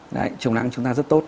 đấy chống nắng của chúng ta rất tốt